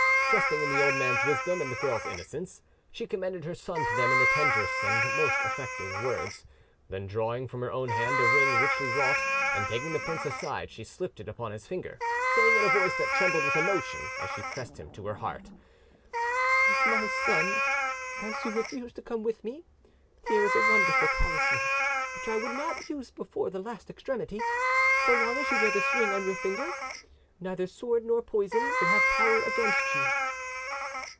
Trusting in the old man's wisdom and the girl's innocence, she commended her son to them in the tenderest and most affecting words; then drawing from her own hand a ring richly wrought, and taking the prince aside, she slipped it upon his finger, saying in a voice that trembled with emotion as she pressed him to her heart— "My son, as you refuse to come with me, here is a wonderful talisman, which I would not use before the last extremity. So long as you wear this ring on your finger, neither sword nor poison will have power against you."